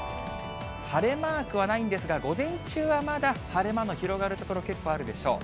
晴れマークはないんですが、午前中はまだ、晴れ間の広がる所、結構あるでしょう。